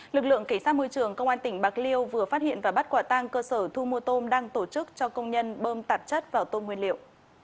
lực lượng cảnh sát môi trường công an tỉnh bạc liêu vừa phát hiện và bắt quả tang cơ sở thu mua tôm đang tổ chức cho công nhân bơm tạp chất vào tôm nguyên liệu